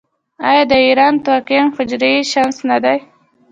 آیا د ایران تقویم هجري شمسي نه دی؟